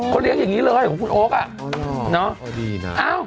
เขาเลี้ยงอย่างนี้เลยของคุณโอ๊คอ่ะเนาะ